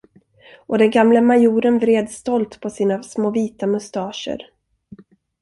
Och den gamle majoren vred stolt på sina små vita mustascher.